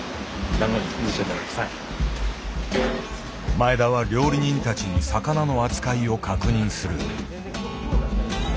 前田は料理人たちに魚の扱いを確認する。